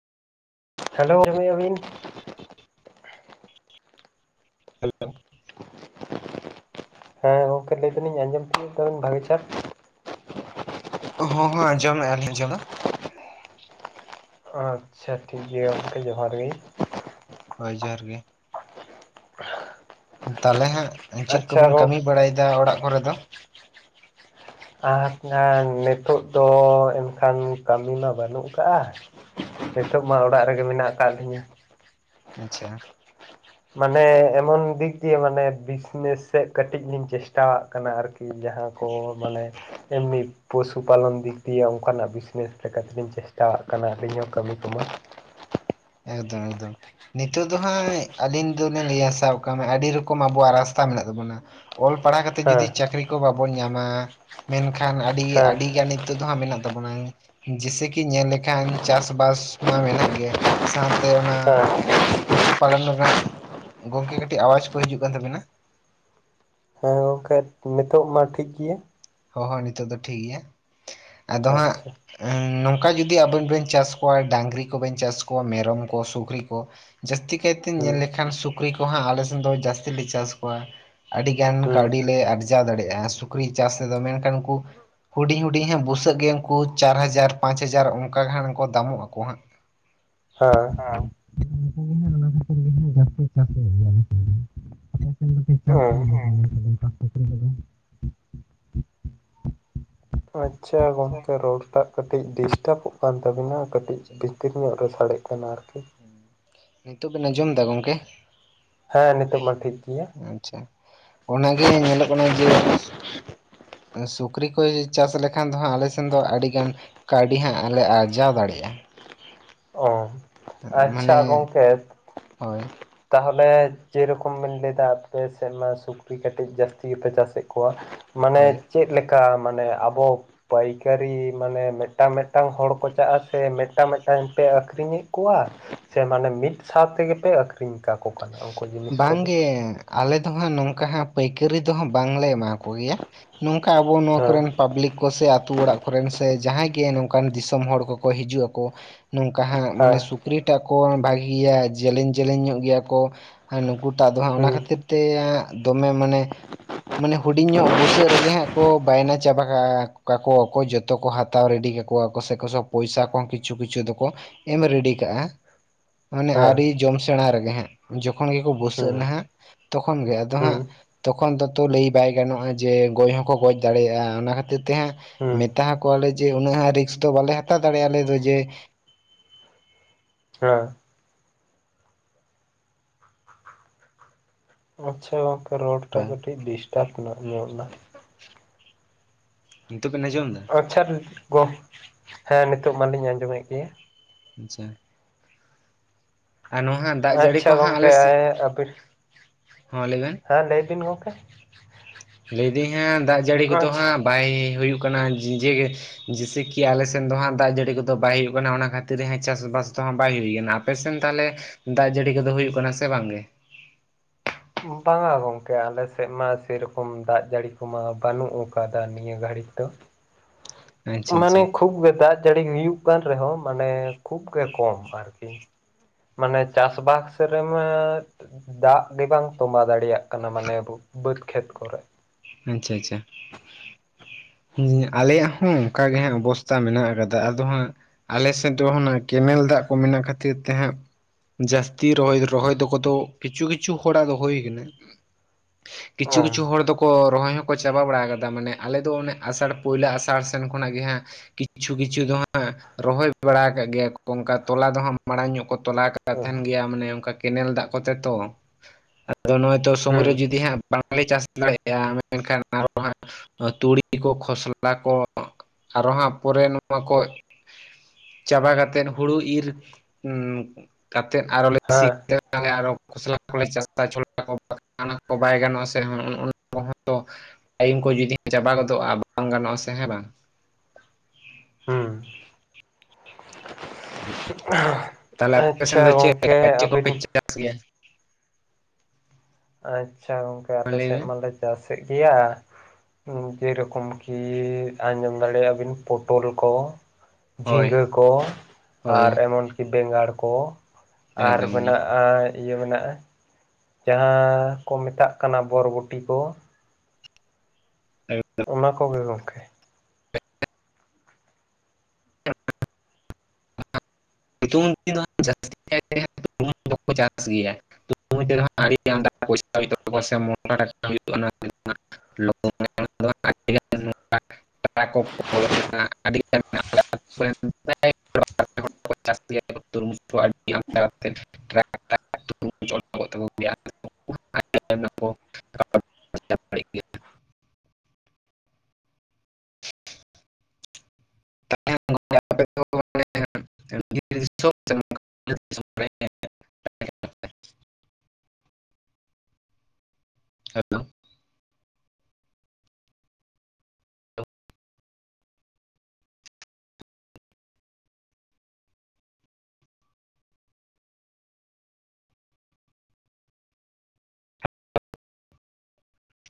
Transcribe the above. Hello ᱟᱸᱡᱚᱢᱮᱜ-ᱟ ᱵᱤᱱ? [inaudible] [inaudible] ᱦᱮᱸ ᱜᱚᱢᱠᱮ ᱞᱟᱹᱭ ᱫᱟᱞᱤᱧ ᱟᱸᱡᱚᱢ ᱛᱤᱭᱩᱜ ᱠᱟᱫᱟ ᱵᱤᱱ? ᱵᱷᱟᱹᱜᱤ ᱪᱟᱴ ᱦᱚᱸ ᱦᱚᱸ ᱟᱸᱡᱚᱢᱮᱜ-ᱟ ᱞᱤᱧ ᱟᱸᱡᱚ ᱫᱚ, ᱟᱪᱪᱷᱟ, ᱴᱷᱤᱠ ᱜᱮᱭᱟ ᱜᱚᱢᱠᱮ ᱡᱚᱦᱟᱨ ᱜᱮ᱾ ᱦᱳᱭ ᱡᱚᱦᱟᱨ ᱜᱮ, ᱛᱟᱦᱚᱞᱮ ᱦᱟᱸᱜ ᱪᱮᱫ ᱠᱚ ᱟᱪᱪᱷᱟ ᱵᱤᱱ ᱜᱚᱝ ᱠᱟᱹᱢᱤ ᱵᱟᱲᱟᱭᱮᱫᱟ ᱚᱲᱟᱜ ᱠᱚᱨᱮ ᱫᱚ? ᱟᱨ ᱱᱤᱛᱳᱜ ᱫᱚ ᱮᱱᱠᱷᱟᱱ ᱠᱟᱹᱢᱤ ᱢᱟ ᱵᱟᱹᱱᱩᱜ ᱟᱠᱟᱜ-ᱟ ᱾ ᱱᱤᱛᱳᱜ ᱢᱟ ᱚᱲᱟᱜ ᱨᱮ ᱜᱮ ᱢᱮᱱᱟᱜ ᱟᱠᱟᱫ ᱞᱤᱧᱟ᱾ ᱟᱪᱪᱷᱟ, ᱢᱟᱱᱮ ᱮᱢᱚᱱ ᱫᱤᱠ ᱫᱤᱭᱮ ᱢᱟᱱᱮ ᱵᱤᱡᱽᱱᱮᱥ ᱥᱮᱫ ᱠᱟᱹᱴᱤᱡ ᱞᱤᱧ ᱪᱮᱥᱴᱟᱜ ᱠᱟᱱᱟ ᱟᱨᱠᱤ ᱡᱟᱦᱟᱸ ᱠᱚ ᱢᱟᱱᱮ ᱮᱢᱤ ᱯᱚᱥᱩ ᱯᱟᱞᱚᱱ ᱫᱤᱠ ᱫᱤᱭᱮ ᱚᱱᱠᱟᱱᱟᱜ ᱵᱤᱡᱽᱱᱮᱥ ᱞᱮᱠᱟ ᱛᱮᱞᱤᱧ ᱪᱮᱥᱴᱟᱜ-ᱟ ᱠᱟᱱᱟ ᱟᱹᱞᱤᱧ ᱦᱚᱸ ᱠᱟᱹᱢᱤ ᱠᱚᱢᱟ᱾ ᱮᱠᱫᱚᱢ ᱮᱠᱫᱚᱢ, ᱱᱤᱛᱚᱜ ᱫᱚ ᱦᱟᱸᱜ ᱟᱹᱞᱤᱧ ᱫᱩᱞᱤᱧ ᱞᱟᱹᱭᱟ ᱥᱟᱵ ᱠᱟᱜ ᱢᱮ ᱟᱹᱰᱤ ᱨᱚᱠᱚᱢ ᱟᱵᱚᱣᱟᱜ ᱨᱟᱥᱛᱟ ᱢᱮᱱᱟᱜ ᱛᱟᱵᱚᱱᱟ᱾ ᱚᱞ ᱯᱟᱲᱦᱟᱣ ᱠᱟᱛᱮ ᱦᱮᱸ ᱡᱩᱫᱤ ᱪᱟᱹᱠᱨᱤ ᱠᱚ ᱵᱟᱵᱚᱱ ᱧᱟᱢᱟ ᱢᱮᱱᱠᱷᱟᱱ ᱟᱹᱰᱤ ᱦᱮᱸ ᱟᱹᱰᱤ ᱜᱟᱱᱤᱡ, ᱛᱚᱛᱟ ᱦᱟᱸᱜ ᱢᱮᱱᱟᱜ ᱛᱟᱵᱚᱱᱟ ᱡᱮᱭᱥᱮ ᱠᱤ ᱧᱮᱞ ᱞᱮᱠᱷᱟᱱ ᱪᱟᱥᱼᱵᱟᱥ ᱢᱟ ᱢᱮᱱᱟᱜ-ᱜᱮ᱾ ᱥᱟᱸᱣᱛᱮ ᱚᱱᱟ ᱦᱮᱸ ᱩᱛᱩ ᱯᱟᱞᱚᱱ ᱨᱮᱱᱟᱜ ᱜᱚᱝᱠᱮ ᱠᱟᱹᱴᱤᱡ ᱟᱣᱟᱡᱽ ᱠᱚ ᱦᱤᱡᱩᱜ ᱠᱟᱱ ᱛᱟᱵᱤᱱᱟ᱾ ᱦᱮᱸ ᱜᱚᱝᱠᱮ ᱱᱤᱛᱚᱜ ᱢᱟ ᱴᱷᱤᱠ ᱜᱮᱭᱟ᱾ ᱦᱚᱸ ᱦᱚᱸ ᱱᱤᱛᱚᱜ ᱫᱚ ᱴᱷᱤᱠ ᱜᱮᱭᱟ, ᱟᱫᱚ ᱦᱟᱸᱜ ᱟᱪᱪᱷᱟ ᱱᱚᱝᱠᱟ ᱡᱩᱫᱤ ᱟᱵᱮᱱ ᱵᱮᱱ ᱪᱟᱥ ᱠᱚᱣᱟ ᱰᱟᱹᱝᱨᱤ ᱠᱚᱵᱮᱱ ᱪᱟᱥ ᱠᱚᱣᱟ ᱢᱮᱨᱚᱢ ᱠᱚ, ᱥᱩᱠᱨᱤ ᱠᱚ ᱡᱟᱹᱥᱛᱤ ᱠᱟᱭᱛᱮ ᱧᱮᱞ ᱦᱩᱸ ᱞᱮᱠᱷᱟᱱ ᱥᱩᱠᱨᱤ ᱠᱚ ᱦᱟᱸᱜ ᱟᱞᱮ ᱥᱮᱱ ᱫᱚ ᱡᱟᱹᱥᱛᱤ ᱞᱮ ᱪᱟᱥ ᱠᱚᱣᱟ᱾ ᱟᱹᱰᱤᱜᱟᱱ ᱦᱩᱸ ᱠᱟᱹᱣᱰᱤ ᱞᱮ ᱟᱨᱡᱟᱣ ᱫᱟᱲᱮᱭᱟᱜ-ᱟ ᱥᱩᱠᱨᱤ ᱪᱟᱥ ᱨᱮᱫᱚ ᱢᱮᱱᱠᱷᱟᱱ ᱩᱱᱠᱩᱼᱼ ᱦᱩᱰᱤᱧ ᱦᱩᱰᱤᱧ ᱧᱚᱜ ᱵᱩᱥᱟᱹᱜ ᱜᱮ ᱩᱱᱠᱩ ᱪᱟᱨ ᱦᱟᱡᱟᱨ ᱯᱟᱸᱪ ᱦᱟᱡᱟᱨ ᱚᱱᱠᱟ ᱜᱟᱱ ᱠᱚ ᱫᱟᱢᱚᱜ ᱟᱠᱚ ᱦᱟᱸᱜ᱾ ᱦᱟᱸ ᱦᱟᱸ ᱩᱱᱠᱩ ᱜᱮ ᱦᱟᱸᱜ ᱚᱱᱟ ᱠᱷᱟᱹᱛᱤᱨ ᱜᱮ ᱦᱟᱸᱜ ᱡᱟᱹᱥᱛᱤ ᱪᱟᱥ ᱦᱩᱭᱩᱜ ᱜᱮᱭᱟ ᱟᱞᱮ ᱥᱮᱫ ᱫᱚ [unintelligible] ᱟᱯᱮ ᱥᱮᱫ ᱫᱚᱯᱮ ᱪᱟᱥ ᱦᱩᱸ ᱠᱚᱜᱮᱭᱟ ᱥᱮ ᱵᱟᱝ ᱱᱚᱝᱠᱟᱱ ᱥᱩᱠᱨᱤ ᱠᱚᱫᱚ? [inaudible] ᱟᱪᱪᱷᱟ ᱜᱚᱝᱠᱮ ᱨᱚᱲ ᱴᱟᱜ ᱠᱟᱹᱴᱤᱡ ᱰᱤᱥᱴᱟᱵᱚᱜ ᱠᱟᱱ ᱛᱟᱵᱤᱱᱟ᱾ ᱠᱟᱹᱴᱤᱡ ᱟᱪᱪᱷᱟ ᱟᱪᱪᱷᱟ ᱵᱷᱤᱛᱤᱨ ᱧᱚᱜ ᱨᱮ ᱥᱟᱰᱮᱜ ᱠᱟᱱᱟ ᱟᱨᱠᱤ᱾ ᱦᱩᱸ, ᱱᱤᱛᱚᱜ ᱵᱤᱱ ᱟᱸᱡᱚᱢ ᱮᱫᱟ ᱜᱚᱝᱠᱮ? ᱦᱮᱸ ᱱᱤᱛᱚᱜ ᱢᱟ ᱴᱷᱤᱠ ᱜᱮᱭᱟ᱾ ᱟᱪᱪᱷᱟ ᱚᱱᱟᱜᱮ ᱧᱮᱞᱚᱜ ᱠᱟᱱᱟ ᱡᱮᱼᱼ ᱥᱩᱠᱨᱤ ᱠᱚ ᱪᱟᱥ ᱞᱮᱠᱷᱟᱱ ᱫᱚ ᱦᱟᱸᱜ ᱟᱞᱮ ᱥᱮᱱ ᱫᱚ ᱟᱹᱰᱤᱜᱟᱱᱼᱼ ᱠᱟᱣᱰᱤ ᱦᱟᱸᱜ ᱞᱮ ᱟᱨᱡᱟᱣ ᱫᱟᱲᱮᱭᱟᱜ-ᱟ᱾ ᱚ ᱟᱸ ᱟᱪᱪᱷᱟ ᱢᱟᱱᱮ ᱦᱚᱭ᱾ ᱛᱟᱦᱚᱞᱮᱼᱼ ᱡᱮᱨᱚᱠᱚᱢ ᱵᱤᱱ ᱞᱟᱹᱭᱫᱟ ᱟᱯᱮ ᱥᱮᱫ ᱢᱟ ᱥᱩᱠᱨᱤ ᱠᱟᱹᱴᱤᱡ ᱡᱟᱹᱥᱛᱤ ᱜᱮᱯᱮ ᱪᱟᱥᱮᱫ ᱠᱚᱣᱟᱼᱼ ᱢᱟᱱᱮ ᱦᱳᱭ ᱪᱮᱫ ᱞᱮᱠᱟ, ᱢᱟᱱᱮ ᱟᱵᱚᱼᱼ ᱯᱟᱹᱭᱠᱟᱹᱨᱤ ᱢᱟᱱᱮ ᱢᱮᱴᱟᱝ ᱢᱤᱫᱴᱟᱝ ᱦᱚᱲ ᱠᱚ ᱪᱟᱜ-ᱟ ᱥᱮ ᱢᱮᱫᱴᱟᱝ ᱢᱮᱫᱴᱟᱝ ᱯᱮ ᱟᱠᱷᱨᱤᱧᱮᱫ ᱠᱚᱣᱟ? ᱥᱮ ᱢᱟᱱᱮ ᱢᱤᱫ ᱥᱟᱶ ᱛᱮᱜᱮᱯᱮ ᱟᱹᱠᱷᱨᱤᱧ ᱠᱟ ᱵᱟᱝᱜᱮ᱾ ᱟᱞᱮ ᱫᱚ ᱦᱟᱸᱜ ᱱᱚᱝᱠᱟ ᱦᱟᱸᱜ ᱯᱟᱹᱭᱠᱟᱹᱨᱤ ᱫᱚ ᱦᱟᱸᱜ ᱵᱟᱝᱞᱮ ᱮᱢᱟ ᱠᱚ ᱜᱮᱭᱟ, ᱱᱚᱝᱠᱟ ᱟᱵᱚ ᱱᱚᱣᱟ ᱦᱮᱸ ᱠᱚᱨᱮᱱᱼᱼ ᱯᱟᱵᱽᱞᱤᱠ ᱠᱚᱥᱮ ᱟᱹᱛᱩ ᱚᱲᱟᱜ ᱠᱚᱨᱮᱱ ᱥᱮ ᱡᱟᱦᱟᱸᱭ ᱜᱮ ᱱᱚᱝᱠᱟᱱ ᱫᱤᱥᱚᱢ ᱦᱚᱲ ᱠᱚᱠᱚ ᱦᱤᱡᱩᱜ-ᱟᱠᱚ ᱱᱚᱝᱠᱟ ᱦᱟᱸᱜ ᱢᱟᱱᱮ ᱦᱮᱸ ᱥᱩᱠᱨᱤᱴᱟᱜ ᱠᱚ ᱵᱷᱟᱹᱜᱮᱭᱟ ᱡᱮᱞᱮᱧ ᱡᱮᱞᱮᱧ ᱧᱚᱜ ᱜᱮᱭᱟᱼᱼ ᱠᱚ ᱱᱩᱠᱩᱴᱟᱜ ᱫᱚ ᱦᱟᱸᱜ ᱚᱱᱟ ᱦᱩᱸ ᱠᱷᱟᱹᱛᱤᱨ ᱛᱮᱻ ᱫᱚᱢᱮ ᱢᱟᱱᱮᱼᱼ ᱢᱟᱱᱮ ᱦᱩᱰᱤᱧ ᱧᱚᱜ ᱵᱩᱥᱟᱹᱜ ᱨᱮᱜᱮ ᱠᱚ ᱦᱟᱸᱜ ᱠᱚ ᱵᱟᱭᱱᱟ ᱪᱟᱵᱟ ᱠᱟ-ᱠᱚᱣᱟ ᱠᱚ ᱡᱚ ᱛᱚᱠᱚ ᱦᱟᱛᱟᱣ ᱨᱮᱰᱤ ᱠᱟᱠᱚᱣᱟ-ᱠᱚ ᱥᱮ ᱠᱚ ᱯᱚᱭᱥᱟ ᱠᱚᱦᱚᱸ ᱠᱤᱪᱷᱩ ᱠᱤᱪᱷᱩ ᱫᱚᱠᱚ ᱮᱢ ᱨᱮᱰᱤ ᱠᱟᱜ-ᱟ᱾ ᱢᱟᱱᱮ ᱦᱮᱸ ᱟᱹᱣᱨᱤ ᱡᱚᱢ ᱥᱮᱬᱟ ᱨᱮᱜᱮ ᱦᱟᱸᱜ, ᱡᱚᱠᱷᱚᱱ ᱜᱮᱠᱚ ᱵᱩᱥᱟᱹᱜ ᱮᱱᱟ ᱦᱩᱸ ᱦᱟᱸᱜᱼᱼ ᱛᱚᱠᱷᱚᱱ ᱜᱮ ᱟᱫᱚ ᱦᱩᱸ ᱦᱟᱸᱜ ᱛᱚᱠᱷᱚᱱ ᱫᱚᱛᱚ ᱞᱟᱹᱭ ᱵᱟᱭ ᱜᱟᱱᱚᱜᱼᱟ ᱡᱮ ᱜᱚᱡ ᱦᱚᱸᱠᱚ ᱜᱚᱡ ᱫᱟᱲᱮᱭᱟᱜᱼᱟ, ᱚᱱᱟ ᱠᱷᱟᱹᱛᱤᱨ ᱛᱮ ᱦᱟᱸᱜ ᱦᱩᱸ ᱢᱮᱛᱟ ᱦᱟᱠᱚᱣᱟᱞᱮ ᱡᱮ ᱩᱱᱟᱹᱜ ᱦᱚᱸ ᱨᱤᱠᱥ ᱫᱚ ᱵᱟᱞᱮ ᱦᱟᱛᱟᱣ ᱫᱟᱲᱮᱭᱟᱜᱼᱟ ᱟᱞᱮ ᱫᱚ ᱡᱮ ᱦᱮᱸ ᱟᱪᱪᱷᱟ ᱜᱚᱝᱠᱮ ᱨᱟᱲ ᱴᱟᱜ ᱵᱟᱝ ᱠᱟᱹᱴᱤᱡ ᱰᱤᱥᱴᱟᱵᱽ ᱱᱟ ᱧᱚᱨ ᱱᱟ ᱱᱤᱛᱚᱜ ᱵᱮᱱ ᱟᱸᱡᱚᱢ ᱫᱟ? ᱟᱪᱪᱷᱟ ᱜᱚ ᱦᱮᱸ ᱱᱤᱛᱚᱜ ᱢᱟᱞᱤᱧ ᱟᱸᱡᱚᱢᱮᱫ ᱜᱮᱭᱟ᱾ ᱟᱪᱪᱷᱟ᱾ ᱟᱨ ᱱᱚᱦᱟᱱ ᱟᱪᱪᱷᱟ ᱜᱚᱝᱠᱮ ᱦᱟᱯᱤ ᱦᱚᱸ ᱦᱮᱸ ᱞᱟᱹᱭ ᱵᱤᱱ ᱜᱚᱝᱠᱮ᱾ ᱞᱟᱹᱭ ᱫᱟᱹᱧ ᱦᱟᱸᱜ ᱫᱟᱜ ᱡᱟᱹᱲᱤ ᱠᱚᱫᱚ ᱟᱪᱪᱷᱟ ᱦᱟᱸᱜ ᱵᱟᱭ ᱦᱩᱭᱩᱜ ᱠᱟᱱᱟ ᱡᱤᱡᱮ ᱜᱮ᱾ ᱡᱤᱭᱥᱮᱠᱤ ᱟᱞᱮ ᱥᱮᱱ ᱫᱚ ᱦᱟᱸᱜ ᱫᱟᱜ ᱡᱟᱹᱲᱤ ᱠᱚᱫᱚ ᱵᱟᱭ ᱦᱩᱭᱩᱜ ᱠᱟᱱᱟ ᱚᱱᱟ ᱠᱷᱟᱹᱛᱤᱨ ᱦᱟᱸᱜ ᱪᱟᱥᱼᱵᱟᱥ ᱫᱚᱦᱟᱸᱜ ᱵᱟᱭ ᱦᱩᱭ ᱠᱟᱱᱟ᱾ ᱟᱯᱮ ᱥᱮᱱ ᱛᱟᱦᱚᱞᱮ ᱫᱟᱜ ᱡᱟᱹᱲᱤ ᱠᱚᱫᱚ ᱦᱩᱭᱩᱜ ᱠᱟᱱᱟ ᱥᱮ ᱵᱟᱝ ᱜᱮ? ᱵᱟᱝᱟ ᱜᱚᱝᱠᱮ ᱟᱞᱮ ᱥᱮᱫ ᱢᱟ ᱥᱮᱨᱚᱠᱚᱢ ᱫᱟᱜ ᱡᱟᱹᱲᱤ ᱠᱚᱢᱟ ᱵᱟᱹᱱᱩᱜ ᱟᱠᱟᱫᱟ ᱱᱤᱭᱟᱹ ᱜᱷᱟᱹᱲᱤᱠ ᱫᱚ᱾ ᱟᱪᱪᱷᱟ ᱢᱟᱱᱮ ᱟᱪᱪᱷᱟ ᱠᱷᱩᱵ ᱜᱮ ᱫᱟᱜ ᱡᱟᱹᱲᱤ ᱦᱩᱭᱩᱜ ᱠᱟᱱ ᱨᱮᱦᱚᱸ ᱢᱟᱱᱮ ᱠᱷᱩᱵ ᱜᱮ ᱠᱚᱢ ᱟᱨᱠᱤ᱾ ᱢᱟᱱᱮ ᱪᱟᱥ ᱵᱟᱥ ᱨᱮᱢᱟ ᱫᱟᱜ ᱜᱮ ᱵᱟᱝ ᱛᱚᱸᱵᱟ ᱫᱟᱲᱮᱭᱟᱜ ᱠᱟᱱᱟ ᱢᱟᱱᱮ ᱟᱵᱚ ᱵᱟᱹᱫᱽ ᱠᱷᱮᱛ ᱠᱚᱨᱮᱜ᱾ ᱟᱪᱪᱷᱟ ᱟᱪᱪᱷᱟ᱾ ᱦᱮᱸ ᱟᱞᱮᱭᱟᱜ ᱦᱚᱸ ᱚᱝᱠᱟ ᱜᱮ ᱦᱟᱸᱜ ᱚᱵᱚᱥᱛᱟ ᱢᱮᱱᱟᱜ ᱟᱠᱟᱫᱟ ᱟᱫᱚ ᱦᱟᱸᱜ ᱟᱞᱮ ᱥᱮᱫ ᱫᱚ ᱦᱟᱱᱟ ᱠᱮᱱᱮᱞ ᱫᱟᱜ ᱠᱚ ᱢᱮᱱᱟᱜ ᱠᱷᱟᱹᱛᱤᱨ ᱛᱮ ᱦᱟᱸᱜ ᱡᱟᱹᱥᱛᱤ ᱨᱚᱦᱚᱭ ᱨᱚᱦᱚᱭ ᱫᱚ ᱠᱚᱫᱚ ᱠᱤᱪᱷᱩ ᱠᱤᱪᱷᱩ ᱦᱚᱲᱟᱜ ᱫᱚ ᱦᱩᱭ ᱠᱟᱱᱟ᱾ ᱠᱤᱪᱷᱩ ᱚ ᱠᱤᱪᱷᱩ ᱦᱚᱲ ᱫᱚ ᱠᱚ ᱨᱚᱦᱚᱭ ᱦᱚᱸᱠᱚ ᱪᱟᱵᱟ ᱵᱟᱲᱟ ᱠᱟᱫᱟ, ᱢᱟᱱᱮ ᱟᱞᱮ ᱫᱚ ᱚᱱᱮ ᱟᱥᱟᱲ ᱯᱳᱭᱞᱳ ᱟᱥᱟᱲ ᱥᱮᱱ ᱠᱷᱚᱱᱟᱜ ᱜᱮ ᱦᱟᱸᱜ ᱠᱤᱪᱷᱩ ᱠᱤᱪᱷᱩ ᱫᱚ ᱦᱟᱸᱜ ᱨᱚᱦᱚᱭ ᱵᱟᱲᱟ ᱟᱠᱟᱜ ᱜᱮᱭᱟ ᱠᱚ ᱚᱝᱠᱟ ᱛᱚᱞᱟ ᱫᱚ ᱦᱟᱸᱜ ᱢᱟᱲᱟᱝ ᱧᱚᱜ ᱠᱚ ᱛᱚᱞᱟ [inaudible] ᱚ ᱛᱟᱦᱮᱸᱱ ᱜᱮᱭᱟ ᱢᱟᱱᱮ ᱚᱝᱠᱟ ᱠᱮᱱᱮᱞ ᱫᱟᱜ ᱠᱚᱛᱮ ᱛᱚ᱾ ᱟᱫᱚ ᱱᱚᱜᱼᱚᱭ ᱛᱚ ᱥᱚᱢᱚᱭ ᱨᱮ ᱦᱩᱸ ᱡᱩᱫᱤ ᱦᱟᱸᱜ ᱵᱟᱝᱞᱮ ᱪᱟᱥ ᱫᱟᱲᱮ ᱭᱟᱜ ᱢᱮᱱᱠᱷᱟᱱ ᱟᱨᱚ ᱦᱟᱸᱜ ᱛᱩᱲᱤ ᱠᱚ, ᱠᱷᱚᱥᱞᱟ ᱠᱚ, ᱟᱨᱚ ᱦᱟᱸᱜ ᱯᱚᱨᱮ ᱱᱚᱣᱟ ᱠᱚ ᱪᱟᱵᱟ ᱠᱟᱛᱮᱫ ᱦᱩᱲᱩ ᱤᱨ ᱠᱟᱛᱮᱫ ᱟᱨᱚᱞᱮ ᱥᱤ ᱦᱮᱸ [inaudible] ᱛᱟᱦᱚᱞᱮ ᱟᱨᱚ ᱠᱷᱚᱥᱞᱟ ᱠᱚᱞᱮ ᱪᱟᱥᱟ ᱪᱷᱚᱞᱟ ᱠᱚ [inaudible] ᱚᱱᱟ ᱠᱚ ᱵᱟᱭ ᱜᱟᱱᱚᱜᱼᱟ ᱥᱮ ᱚᱱᱟ ᱠᱚ ᱦᱚᱸ ᱛᱚ ᱴᱟᱭᱤᱢ ᱠᱚ ᱡᱩᱫᱤ ᱪᱟᱵᱟ ᱜᱚᱫᱚᱜᱼᱟ ᱵᱟᱝ ᱜᱟᱱᱚᱜᱼᱟ ᱥᱮ ᱦᱮᱸ ᱵᱟᱝ? ᱦᱩᱸ ᱛᱟᱦᱚᱞᱮ ᱟᱯᱮ ᱥᱮᱱ ᱫᱚ ᱟᱪᱪᱷᱟ ᱪᱮᱫ ᱜᱚᱝᱠᱮ [inaudible] ᱪᱮᱫ ᱠᱚᱯᱮ ᱟᱹᱵᱤᱱ ᱪᱟᱥ ᱜᱮᱭᱟ? ᱟᱪᱪᱷᱟ ᱜᱚᱝᱠᱮ ᱢᱟ ᱟᱞᱮ ᱞᱟᱹᱭ ᱥᱮᱫ ᱢᱮ ᱢᱟᱞᱮ ᱪᱟᱥᱮᱫ ᱜᱮᱭᱟ, ᱡᱮ ᱨᱚᱠᱚᱢ ᱠᱤ ᱟᱸᱡᱚᱢ ᱫᱟᱲᱮᱭᱟᱜᱼᱟ ᱵᱤᱱ ᱯᱚᱴᱚᱞ ᱠᱚ, ᱡᱷᱤᱸᱜᱟᱹ ᱦᱳᱭ ᱠᱚ, ᱦᱳᱭ ᱟᱨ ᱮᱢᱚᱱ ᱠᱤ ᱵᱮᱸᱜᱟᱲ ᱠᱚ, ᱟᱨ ᱮᱠᱫᱚᱢ ᱜᱮ ᱢᱮᱱᱟᱜᱼᱟ ᱤᱭᱟᱹ ᱢᱮᱱᱟᱜᱼᱟ ᱡᱟᱦᱟᱸ ᱠᱚ ᱢᱮᱛᱟᱜ ᱠᱟᱱᱟ ᱵᱚᱨᱵᱚᱴᱤ ᱠᱚ, [unintelligible] ᱚᱱᱟ ᱠᱚᱜᱮ ᱜᱚᱝᱠᱮ᱾ ᱥᱤᱛᱩᱝ ᱫᱤᱱ ᱫᱚ ᱦᱟᱸᱜ ᱡᱟᱥᱛᱤ ᱠᱟᱛᱮ ᱦᱟᱸᱜ [inaudible] ᱫᱚᱠᱚ ᱪᱟᱥ ᱜᱮᱭᱟ᱾ [inaudible] [inaudible] ᱯᱨᱟᱭ [inaudible] [inaudible] ᱫᱟᱲᱮᱜ ᱜᱮᱭᱟ [inaudible] ᱫᱤᱥᱚᱢ ᱨᱮ ᱦᱮᱞᱳᱣ ᱾